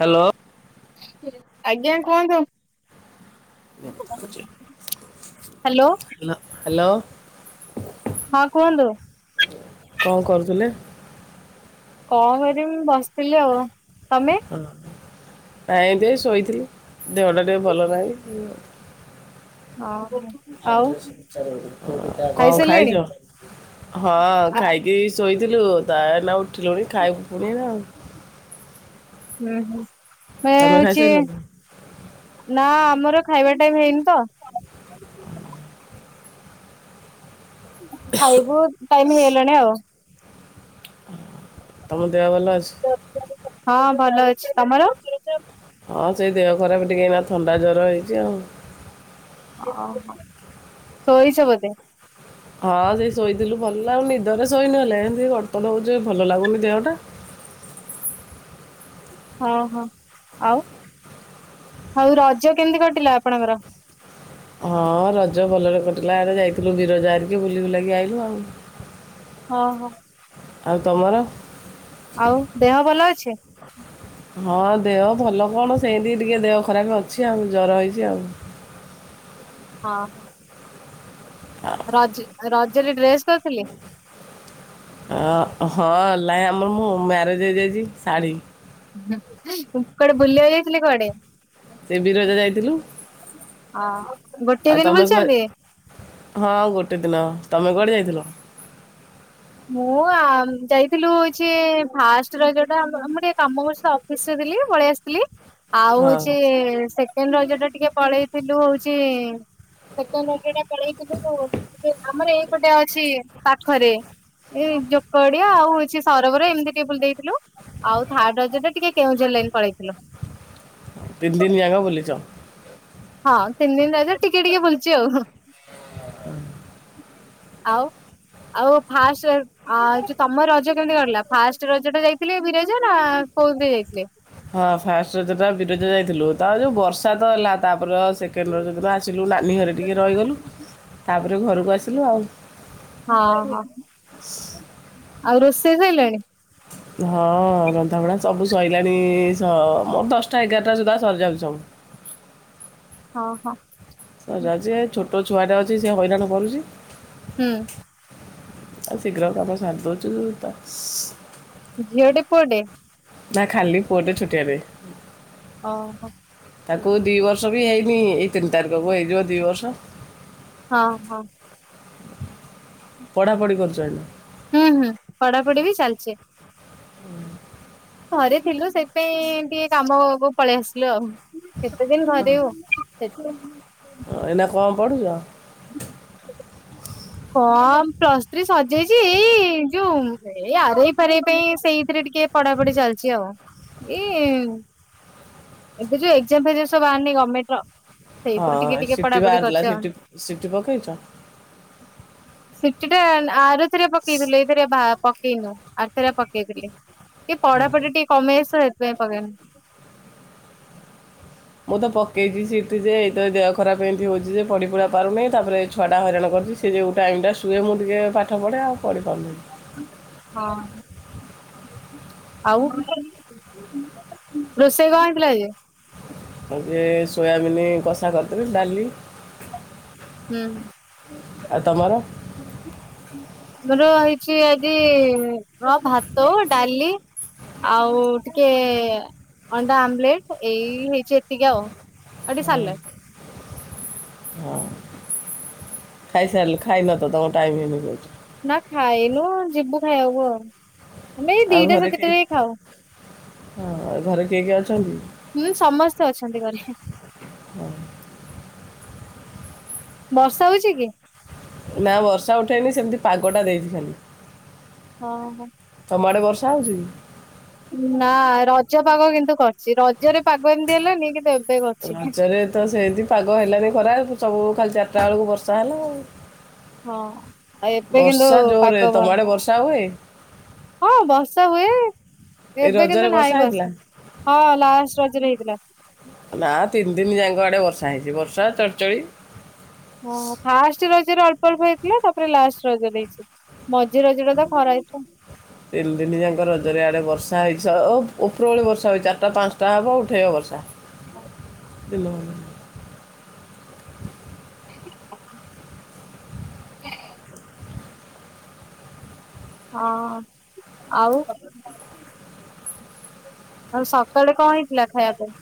Hello. ଆଜ୍ଞା କୁହନ୍ତୁ। [inaudible] Hello. Hello. ହଁ କୁହନ୍ତୁ। କଣ କରୁଥିଲେ? କଣ କରିବି ମୁଁ ବସିଥିଲି ଆଉ। ତମେ? ହ ଆଇଁତି ଶୋଇଥିଲି ଦେହଟା ଟିକେ ଭଲ ନାହିଁ। [unintelligible] କଣ ଖାଇସାରିଲେଣି? ଖାଇଛ ହଁ ଖାଇକି ଶୋଇଥିଲୁ ତା ନା ଉଠିଲୁଣି ଖାଇବାକୁ ପୁଣି ନାଉ ହୁଁ ହୁଁ ମ ତମେ ହଉଛି ଖାଇସାରିଲଣି? ନା ଆମର ଖାଇବା ଟାଇମ ହେଇନି ତ? ଖାଇବୁ ଟାଇମ ହେଇଗଲାଣି ଆଉ। ତମ ଦେହ ଭଲ ଅଛି? ହଁ ଭଲ ଅଛି। ତମର? ହଁ ସେଇ ଦେହ ଖରାପ ଟିକେ ଏଇନା ଥଣ୍ଡା ଜ୍ଵର ହେଇଛି ଆଉ। [unintelligible] ଶୋଇଛ ବୋଧେ? ହଁ ସେ ଶୋଇଥିଲୁ ଭଲ ଆଉ ନିଦରେ ଶୋଇନହ ହେଲେ ଏତି ଗଡ ତଡ ହଉଛି ଭଲ ଲାଗୁନି ଦେହଟା? ହଁ ହଁ ଆଉ ହଉ ରଜ କେମିତି କଟିଲା ଆପଣଙ୍କର? ହଁ ରଜ ଭଲରେ କଟିଲା ଆଡ଼େ ଯାଇଥିଲୁ ବିରଜ ହରିକି ବୁଲି ବୁଲିକି ଆଇଲୁ ଆଉ। ହଁ ହଁ। ଆଉ ତମର? ଆଉ ଦେହ ଭଲ ଅଛି? ହଁ ଦେହ ଭଲ କଣ ସେମତି ଟିକେ ଦେହ ଖରାପ ଅଛି ଆଉ ଜର ହେଇଛି ଆଉ। ହଁ ହଁ। ରଜ ରଜରେ ଡ୍ରେସ୍ କରିଥିଲେ? ହଁ ହେଲାହି ଆମର ମୁଁ ମ୍ୟାରେଜ୍ ହେଇଯାଇଛି ଶାଢ଼ୀ। କୁଆଡେ ବୁଲିବାକୁ ଯାଇଥଲେ କୁଆଡେ? ସେ ବିରଜା ଯାଇଥିଲୁ। [inaudible] ହଁ ଗୋଟିଏ ଆଉ ଦିନ ତମେ କୁଆଡେ, ବୁଲିଛନ୍ତି? ହଁ ଆଉ ଗୋଟେ ଦିନ, ତମେ କୁଆଡେ ଯାଇଥିଲ? ମୁଁ ଯାଇଥିଲୁ ହଉଚି ଫାଷ୍ଟ୍ ରଜଟା, ଆ ମୁଁ ଟିକେ କାମ କରୁଚିତ ଅଫ୍ ଅଫିସ୍ ରେ ଥିଲି, ପଳେଇ ଆସିଥିଲି ଆଉ ହଁ ହଉଚି ସେ ସେକେଣ୍ଡ୍ ରଜ ଟା ଟିକେ ପଳେଇଥିଲୁ ହଉଚି ଇ ସେକେଣ୍ଡ୍ ରଜଟା ପଳେଇଥିଲୁ, ଆମର ଏଇ ପଟେ ଅଛି, ପାଖରେ ଏଇ ଜୋକଡିଆ ଆଉ ହଉଚି ସରୋବର, ଏମିତି ଟିକେ ବୁଲି ଦେଇଥିଲୁ ଆଉ ଥାର୍ଡ ରଜଟା ଟିକେ କେଉଁଝର ଲାଇନ୍ ପଳେଇଥିଲୁ। ତିନ ଦିନି ଆଙ୍ଗ ବୁଲିଚ? ହଁ ତିନି ଦିନି ରଜ ଟିକେ ଟିକେ ବୁଲିଚି ଆଉ। [unintelligible] ଆଉ, ଆଉ ଫାଷ୍ଟ୍ ଆଉ ତମ ରଜ କେମିତି କଟିଲା? ଫାଷ୍ଟ ରଜ ଟା ଯାଇଥିଲେ ବିରଜା, ନା କୋଉଥରେ ଯାଇଥିଲେ? ହଁ ଫାଷ୍ଟ ରଜଟା ବିରଜା ଯାଇଥିଲୁ, ତା ପରେ ଯୋଉ ବର୍ଷା ତ ହେଲା, ତାପରେ ସେ ସେକେଣ୍ଡ୍ ରଜ ଦିନ ଆସିଲୁ ନାନୀ ଘରେ ଟିକେ ରହିଗଲୁ, ତାପରେ ଘରକୁ ଆସିଲୁ ଆଉ। ହଁ ହ, ଆଉ ରୋଷେଇ ସଇଲାଣି? ହଁ, ରନ୍ଧାବଢା ସବୁ ସଇଲାଣି, ମୋର ଦଶଟା ଏଗାରଟା ସୁଦ୍ଧା ସରିଯାଉଚି ସବୁ। ହଁ ହଁ। [unintelligible] ଛୋଟ ଛୁଆଟା ଅଛି, ସେ ହଇରାଣ କରୁଚି। ହୁଁ। ଆ ଶିଘ୍ର କାମ ସାରିଦଉଚୁ, ତ ଝିଅଟେ, ପୁଅଟେ? ନା ଖାଲି ପୁଅଟେ ଛୋଟିଆଟେ, ଓହୋ ହଁ ତାକୁ ଦିବର୍ ବର୍ଷ ବି ହେଇନି, ଏଇ ତିନିତାରିଖକୁ ହେଇଯିବ ଦି ବର୍ଷ। ହଁ ହଁ। ପଢ଼ାପଢ଼ି କରୁଚ ଏଇନା? ହୁଁ ହୁଁ ପଢାପଢି ବି ଚାଲିଚି। [unintelligible] ଘରେ ଥିଲୁ, ସେଇଥିପାଇଁ ଏମିତି ଟିକେ କାମକୁ ପଳେଇ ଆସିଲୁ ଆଉ। କେତେ ଦିନି ଘରେଇବୁ, ସେଇଥିପାଇଁ ଏଇନା କଅଁ ପଢୁଚ? କଣ ପ୍ଲସ୍ ଥ୍ରୀ ସଜେଇଚି, ଏଇ ଯୋଉ ଏଇ ଆରେଇ ଫାରେଇ ପାଇଁ ସେଇଥିରେ ଟିକେ ପଢାପଢି ଚାଲିଚି ଆଉ, ଏଇ ଏବେ ଯୋଉ ଏକ୍ ଜାମ୍ ଫେଗ୍ ଜାମ୍ ସବୁ ବାହାରିନି ଗମେଣ୍ଟ୍ ର ହଁ, ସେଇଥିରୁ ଟିକେ ଟିକେ ସିଟି ପଢାପଢି ବାହାରିଥିଲା, ସିଟି, ସିଟି ପକେଇଚ? ସିଟିଟା ଆରଥରିକ ପକେଇଥିଲୁ, ଏଇଥରିକ ଭା ପକେଇନୁ। ଆରଥରିକ ପକେଇଥିଲି, ଟିକେ ପଢାପଢି ଟିକେ କମି [unintelligible] ହେଇଥିପାଇଁ ପକେଇନି। ମୁଁ ତ ପକେଇଚି ସିଟି ଯେ, ଏଇ ତ ଦେହ ଖରାପ ଏମିତି ହଉଚି ଯେ, ପଡ଼ିପୁଡ଼ା ପାରୁନାହିଁ, ତାପରେ ଛୁଆଟା ହଇରାଣ କରୁଚି ସେ ଯେଉଁ ଟାଇମ୍ ଟା ଶୁଏ, ମୁଁ ଟିକେ ପାଠ ପଢ଼େ, ଆଉ ପଢିପାରୁନି। ହଁ। ଆଉ, ରୋଷେଇ କଣ ହେଇଥିଲା ଆଜି? ହଉଚି ସୋୟାବିିନି କଷା କରିଥିଲି, ଡାଲି ହୁଁ। ଆଉ ତମର ଆମର ହେଇଚି ଆଜି ଭାତ, ଡାଲି ଆଉ ଟିକେ ଅଣ୍ଡା ଆମଲେଟ୍, ଏଇ ହେଇଚି ଏତିକି ଆଉ। ଟିକେ ହୁଁ ସାଲାଡ ହଁ, ଖାଇସାଇଲ, ଖାଇନତ ତମ ଟାଇମ। [unintelligible] ନା ଖାଇନୁ, ଯିବୁ ଖାଇବାକୁୁ ଆଉ। ଆମେ ଏଇ ଆଉ ଦିଟା ଘରେ କିଏ, ସାତଟାରେ ଖାଉ ହଁ ଆଉ ଘରେ କିଏ କିଏ ଅଛନ୍ତି? ହୁଁ ସମସ୍ତେ ଅଛନ୍ତି ଘରେ। ବର୍ଷା ହଉଛି କି? ନା ବର୍ଷା ଉଠେଇନି ସେମିତି ପାଗଟା ଦେଇଛି ଖାଲି। ହଁ ହଁ। ତମ ଆଡ଼େ ବର୍ଷା ହଉଛି କି? ନା, ରଜ ପାଗ କିନ୍ତୁ କରିଛି। ରଜରେ ପାଗ ଏମିତି ହେଲାନି କିନ୍ତୁ ଏବେ କରିଛି। ରଜରେ ତ ସେମିତି ପାଗ ହେଲାନି ଖରା ସବୁ ଖାଲି ଚାରିଟା ବେଳକୁ ବର୍ଷା ହେଲା ଆଉ। ହଁ ଆଉ ଏବେ କିନ୍ତୁ ବର୍ଷା ଜୋରେ, ପାଗ ତମ ଆଡେ ବର୍ଷା ହୁଏ? ହଁ ବର୍ଷା ହୁଏ। ଏଇ ଏବେ ରଜରେ କିନ୍ତୁ ନାହିଁ ହେଇଥିଲା ବର୍ଷା। ହଁ ଲାଷ୍ଟ ରଜରେ ହେଇଥିଲା। ନା ତିନି ଦିନି ଯାଙ୍କ ଆଡେ ବର୍ଷା ହେଇଛି। ବର୍ଷା ଚଡଚଡି। ହଁ ଫାଷ୍ଟ ରଜରେ ଅଳ୍ପ ଅଳ୍ପ ହେଇଥିଲା। ତାପରେ ଲାଷ୍ଟ ରଜ ଦେଇଛି। ମଝି ରଜ ଟା ତ ଖରା ହେଇଥିଲା। ତିନ ଦିନି ଯାକ ରଜରେ ଆଡ଼େ ବର୍ଷା ହେଇଛ। ଓହୋ ଉପର ଭଳି ବର୍ଷା ହୋଇ ଚାରିଟା ପାଞ୍ଚଟା ହେବ ଉଠେଇବ ବର୍ଷା। ହ [unintelligible] [inaudible] ହଁ, ଆଉ। ଆଉ ସକାଳେ କଣ ହେଇଥିଲା ଖାଇବା ପାଇଁ?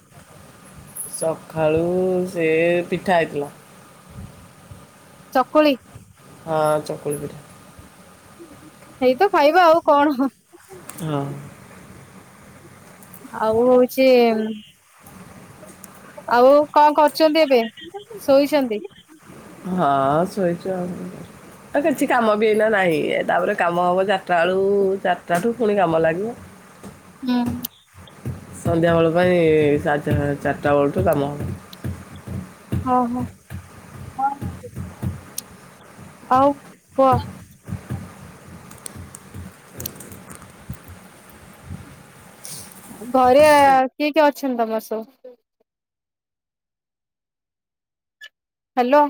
ସଖାଳୁ ସେ ପିଠା ହେଇଥିଲା। ଚକୁଳି? ହଁ ଚକୁଳି ପିଠା। ଏଇତ ଖାଇବା ଆଉ କଣ? ହଁ। ଆଉ ହଉଛି ଆଉ କଣ କରୁଛନ୍ତି ଏବେ? ଶୋଇଛନ୍ତି। ହଁ ଶୋଇଛି ଆଉ। ଆଉ କିଛି କାମ ବି ଏଇନା ନାହିଁ। ତାପରେ କାମ ହେବ ଚାରଟା ବେଳୁ ଚାଟା ଠୁ ପୁଣି କାମ ଲାଗିବ। ହୁଁ। ସନ୍ଧ୍ୟାବେେଳ ପାଇଁ ସାଢେଚା, ଚାରିଟା ବେଳଠୁ କାମ। ହଁ ହଁ। [unintelligible] ଆଉ, କୁହ? ଘରେ ଆ କିଏ କିଏ ଅଛନ୍ତି ତମର ସବୁ? ହ୍ୟାଲୋ।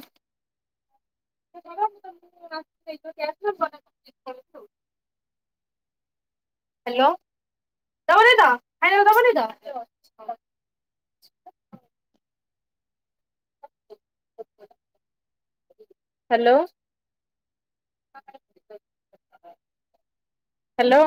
[inaudible] ହ୍ୟାଲୋ, ଦବୁନି ତ ଖାଇବାକୁ ଦବୁନି ତ? ଆଚ୍ଛା। ହ୍ୟାଲୋ। ହ୍ୟାଲୋ।